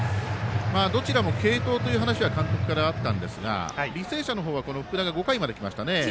どちらも継投という話は監督からあったんですが履正社の方は福田が５回まできましたね。